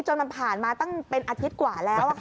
จนมันผ่านมาตั้งเป็นอาทิตย์กว่าแล้ว